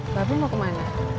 bapak mau kemana